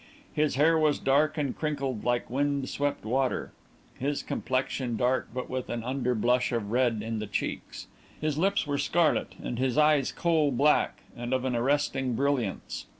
His hair was dark and crinkled like wind swept water, his complexion dark, but with an under blush of red in the cheeks. His lips were scarlet and his eyes coal black and of an arresting brilliance.